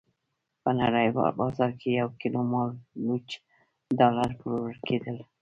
په نړیوال بازار کې یو کیلو مالوچ ډالر پلورل کېدل.